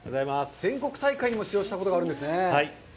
全国大会でも出場したことがあるんですね。